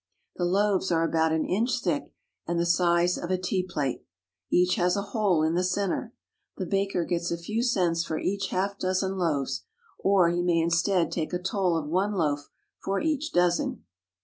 The loaves are about an inch thick and the size of a tea plate. Each has a hole in the centre. The baker gets a few cents for each half dozen loaves, or he may instead take a toll of one loaf for each dozen.